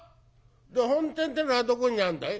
「本店ってのはどこにあんだい？」。